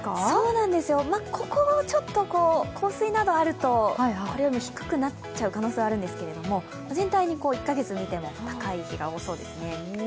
そうなんですよ、ここはちょっと降水などあるとこれよりも低くなっちゃう可能性はあるんですけれども全体に１カ月で見ても高い日が多そうですね。